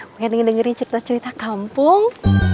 mungkin dengerin cerita cerita kampung